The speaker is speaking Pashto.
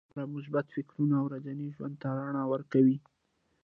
د ځان لپاره مثبت فکرونه ورځني ژوند ته رڼا ورکوي.